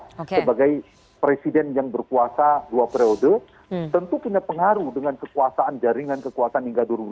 sebagai presiden yang berkuasa dua periode tentu punya pengaruh dengan kekuasaan jaringan kekuasaan hingga dua ribu dua puluh